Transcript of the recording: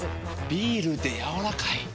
ビールでやわらかい。